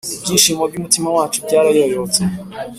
Ibyishimo by’umutima wacu byarayoyotse,